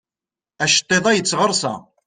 Aceṭṭiḍ-a yettɣersa.